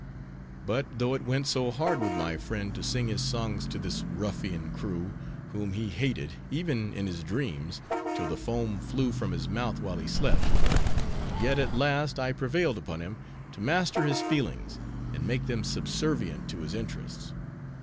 But though it went so hard with my friend to sing his songs to this ruffian crew, whom he hated, even in his dreams, till the foam flew from his mouth while he slept; yet at last I prevailed upon him to master his feelings, and make them subservient to his interests.